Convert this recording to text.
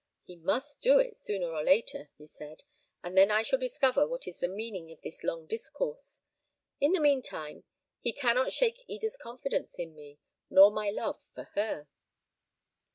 "He must do it sooner or later," he said; "and then I shall discover what is the meaning of this long discourse. In the mean time, he cannot shake Eda's confidence in me, nor my love for her."